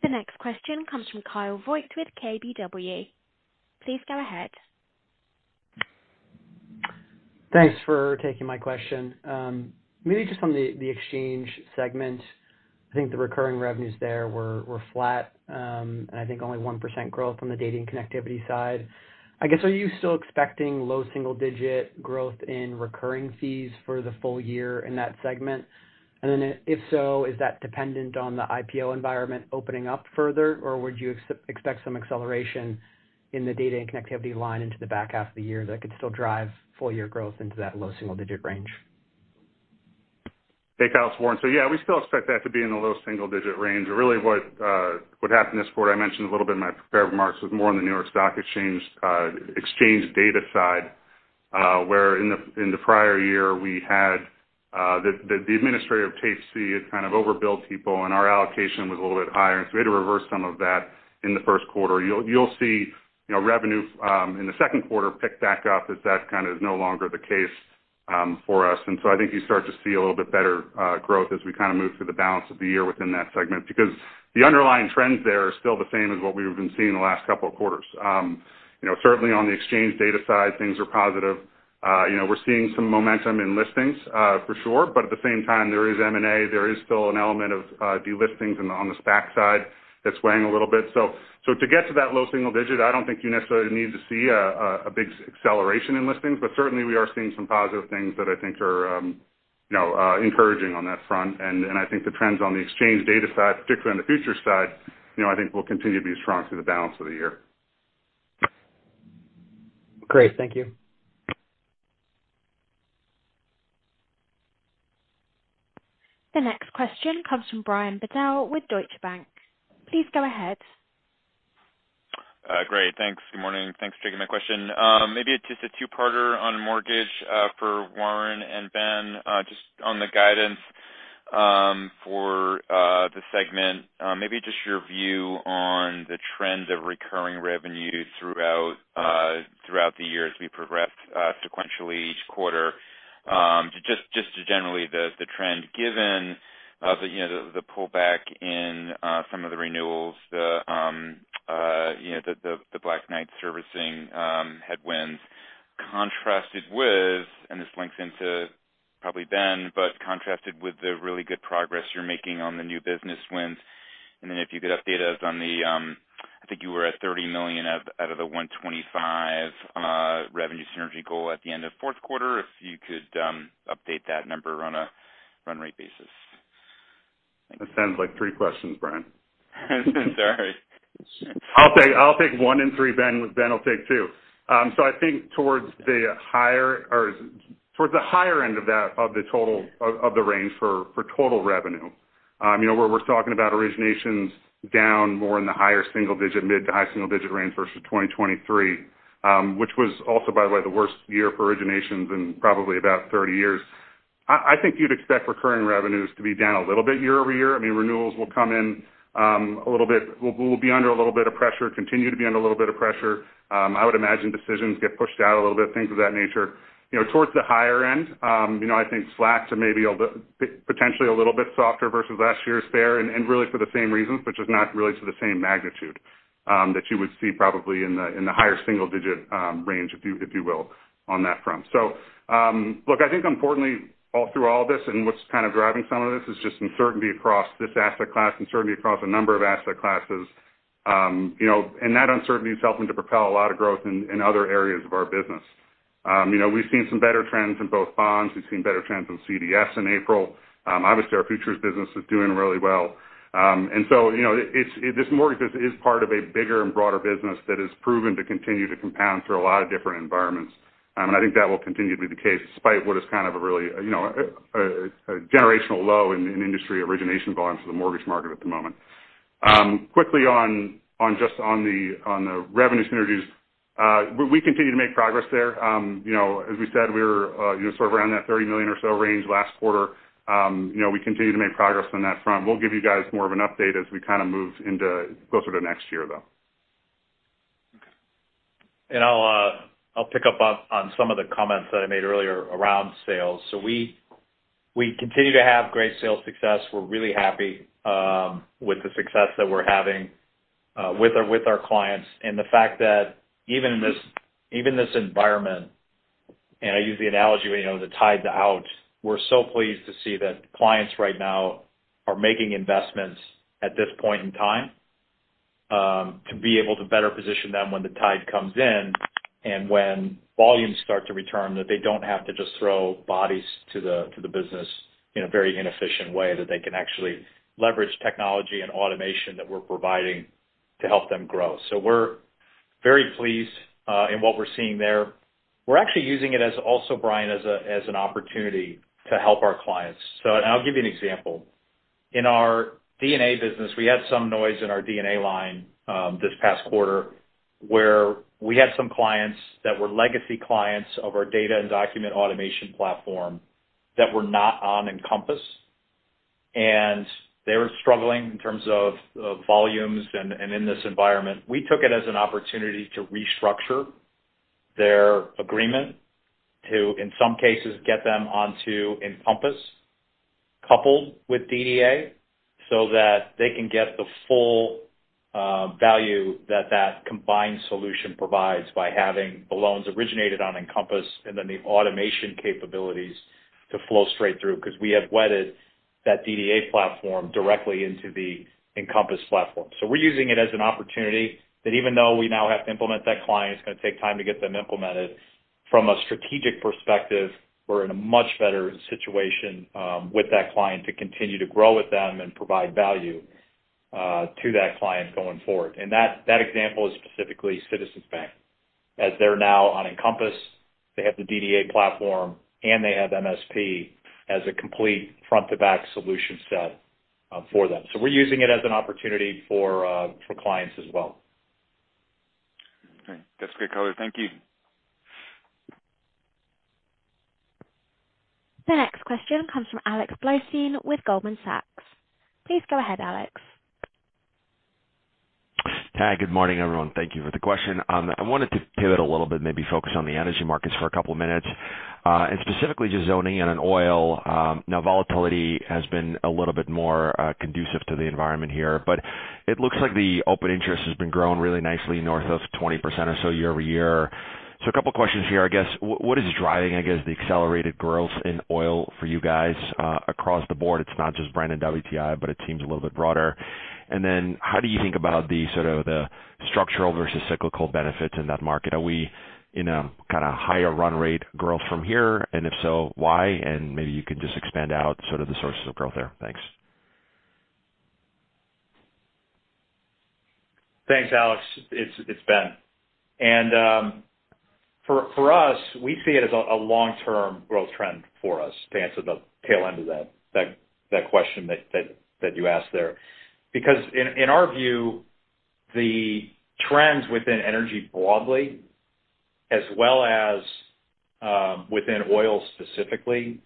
The next question comes from Kyle Voigt with KBW. Please go ahead. Thanks for taking my question. Maybe just on the exchange segment. I think the recurring revenues there were flat, and I think only 1% growth on the data and connectivity side. I guess, are you still expecting low single digit growth in recurring fees for the full-year in that segment? And then if so, is that dependent on the IPO environment opening up further, or would you expect some acceleration in the data and connectivity line into the back half of the year that could still drive full-year growth into that low single-digit range? Hey, Kyle, it's Warren. So yeah, we still expect that to be in the low single digit range, but really what, what happened this quarter, I mentioned a little bit in my prepared remarks, was more on the New York Stock Exchange, exchange data side, where in the, in the prior year, we had, the administrator of Tape C had kind of overbilled people, and our allocation was a little bit higher, and so we had to reverse some of that in the first quarter. You'll see, you know, revenue, in the second quarter, pick back up as that kind of is no longer the case, for us. And so I think you start to see a little bit better growth as we kind of move through the balance of the year within that segment, because the underlying trends there are still the same as what we've been seeing in the last couple of quarters. You know, certainly on the exchange data side, things are positive. You know, we're seeing some momentum in listings, for sure, but at the same time, there is M&A, there is still an element of delistings and on the SPAC side that's weighing a little bit. So to get to that low single digit, I don't think you necessarily need to see a big acceleration in listings, but certainly we are seeing some positive things that I think are, you know, encouraging on that front. And I think the trends on the exchange data side, particularly on the futures side, you know, I think will continue to be strong through the balance of the year. Great. Thank you. The next question comes from Brian Bedell with Deutsche Bank. Please go ahead. Great. Thanks. Good morning. Thanks for taking my question. Maybe just a two-parter on mortgage for Warren and Ben. Just on the guidance for the segment, maybe just your view on the trends of recurring revenue throughout the year as we progress sequentially each quarter. Just generally the trend, given the, you know, the pullback in some of the renewals, you know, the Black Knight servicing headwinds, contrasted with, and this links into probably Ben, but contrasted with the really good progress you're making on the new business wins. Then if you could update us on the, I think you were at $30 million out of the $125 million revenue synergy goal at the end of fourth quarter, if you could update that number on a run rate basis? That sounds like three questions, Brian. Sorry. I'll take, I'll take one and three, Ben. Ben will take two. So I think towards the higher or towards the higher end of that, of the total of the range for total revenue, you know, where we're talking about originations down more in the higher single digit, mid to high single digit range versus 2023, which was also, by the way, the worst year for originations in probably about 30 years. I think you'd expect recurring revenues to be down a little bit year-over-year. I mean, renewals will come in a little bit. We'll be under a little bit of pressure, continue to be under a little bit of pressure. I would imagine decisions get pushed out a little bit, things of that nature. You know, towards the higher end, you know, I think slacks are maybe potentially a little bit softer versus last year's fair, and really for the same reasons, but just not really to the same magnitude that you would see probably in the higher single digit range, if you will, on that front. So, look, I think importantly, all through all this and what's kind of driving some of this is just uncertainty across this asset class, uncertainty across a number of asset classes. You know, and that uncertainty is helping to propel a lot of growth in other areas of our business. You know, we've seen some better trends in both bonds, we've seen better trends in CDS in April. Obviously, our futures business is doing really well. And so, you know, it's this mortgage is part of a bigger and broader business that has proven to continue to compound through a lot of different environments. And I think that will continue to be the case, despite what is kind of a really, you know, a generational low in industry origination volumes for the mortgage market at the moment. Quickly on the revenue synergies, we continue to make progress there. You know, as we said, we were sort of around that $30 million or so range last quarter. You know, we continue to make progress on that front. We'll give you guys more of an update as we kind of move into closer to next year, though. I'll pick up on some of the comments that I made earlier around sales. So we continue to have great sales success. We're really happy with the success that we're having with our clients, and the fact that even in this environment, and I use the analogy, you know, the tide's out, we're so pleased to see that clients right now are making investments at this point in time to be able to better position them when the tide comes in. And when volumes start to return, that they don't have to just throw bodies to the business in a very inefficient way, that they can actually leverage technology and automation that we're providing to help them grow. So we're very pleased in what we're seeing there. We're actually using it as also, Brian, as a, as an opportunity to help our clients. So and I'll give you an example. In our DDA business, we had some noise in our DDA line, this past quarter, where we had some clients that were legacy clients of our data and document automation platform that were not on Encompass. And they were struggling in terms of, of volumes and, and in this environment. We took it as an opportunity to restructure their agreement to, in some cases, get them onto Encompass, coupled with DDA, so that they can get the full, value that that combined solution provides by having the loans originated on Encompass, and then the automation capabilities to flow straight through. 'Cause we have wedded that DDA platform directly into the Encompass platform. So we're using it as an opportunity that even though we now have to implement that client, it's gonna take time to get them implemented. From a strategic perspective, we're in a much better situation with that client to continue to grow with them and provide value to that client going forward. And that example is specifically Citizens Bank. As they're now on Encompass, they have the DDA platform, and they have MSP as a complete front-to-back solution set for them. So we're using it as an opportunity for clients as well. Okay. That's great color. Thank you. The next question comes from Alex Blostein with Goldman Sachs. Please go ahead, Alex. Hi, good morning, everyone. Thank you for the question. I wanted to pivot a little bit, and maybe focus on the Energy Markets for a couple minutes. Specifically just zoning in on oil. Now volatility has been a little bit more conducive to the environment here, but it looks like the Open Interest has been growing really nicely, north of 20% or so year-over-year. So a couple questions here, I guess. What is driving, I guess, the accelerated growth in oil for you guys across the board? It's not just Brent and WTI, but it seems a little bit broader. And then how do you think about the sort of the structural versus cyclical benefits in that market? Are we in a kind of higher run rate growth from here? And if so, why? Maybe you can just expand out sort of the sources of growth there. Thanks. Thanks, Alex. It's Ben. And for us, we see it as a long-term growth trend for us, to answer the tail end of that question that you asked there. Because in our view, the trends within energy broadly, as well as within oil specifically,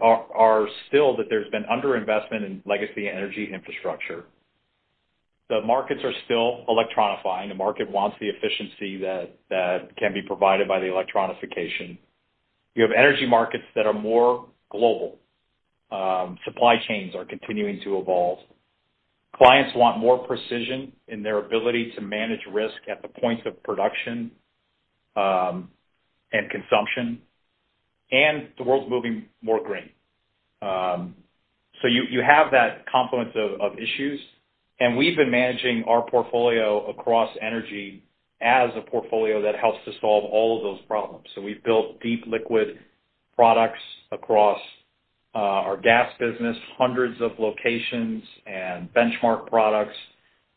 are still that there's been underinvestment in legacy energy infrastructure. The markets are still electronifying. The market wants the efficiency that can be provided by the electronification. You have energy markets that are more global. Supply chains are continuing to evolve. Clients want more precision in their ability to manage risk at the points of production and consumption, and the world's moving more green. So you have that confluence of issues, and we've been managing our portfolio across energy as a portfolio that helps to solve all of those problems. So we've built deep liquid products across our gas business, hundreds of locations and benchmark products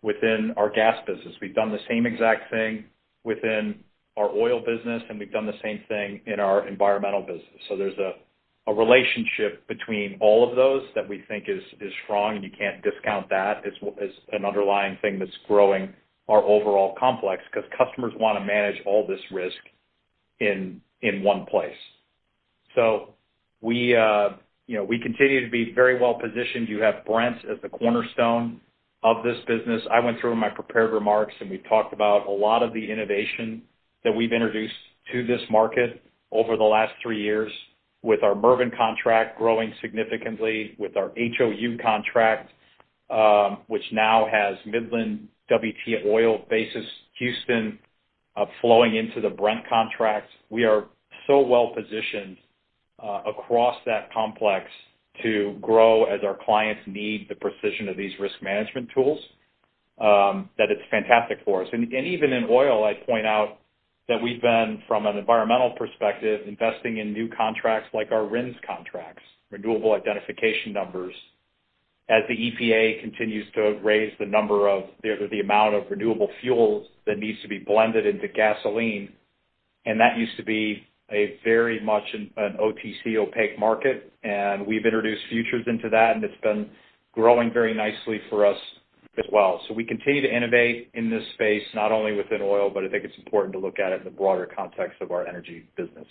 within our gas business. We've done the same exact thing within our oil business, and we've done the same thing in our environmental business. So there's a relationship between all of those that we think is strong, and you can't discount that as an underlying thing that's growing our overall complex, 'cause customers wanna manage all this risk in one place. So you know, we continue to be very well positioned. You have Brent as the cornerstone of this business. I went through in my prepared remarks, and we talked about a lot of the innovation that we've introduced to this market over the last three years, with our Moving contract growing significantly, with our HOU contract, which now has Midland WTI Oil Basis Houston flowing into the Brent contract. We are so well positioned across that complex to grow as our clients need the precision of these risk management tools, that it's fantastic for us. Even in oil, I'd point out that we've been, from an environmental perspective, investing in new contracts like our RINs contracts, renewable identification numbers, as the EPA continues to raise the amount of renewable fuels that needs to be blended into gasoline. That used to be a very much an OTC opaque market, and we've introduced futures into that, and it's been growing very nicely for us as well. We continue to innovate in this space, not only within oil, but I think it's important to look at it in the broader context of our energy business.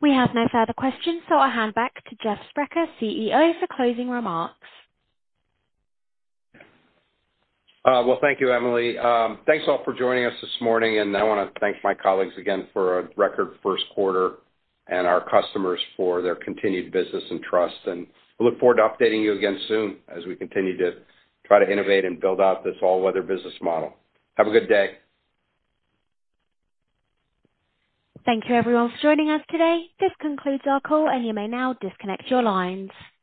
We have no further questions, so I'll hand back to Jeff Sprecher, CEO, for closing remarks. Well, thank you, Emily. Thanks, all, for joining us this morning, and I want to thank my colleagues again for a record first quarter, and our customers for their continued business and trust. And we look forward to updating you again soon, as we continue to try to innovate and build out this all weather business model. Have a good day. Thank you, everyone, for joining us today. This concludes our call, and you may now disconnect your lines.